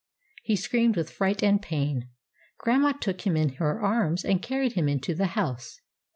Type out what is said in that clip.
He screamed with fright and pain. Grandma took him in her arms and carried him into the house.